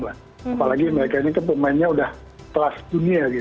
apalagi mereka ini pemainnya sudah kelas dunia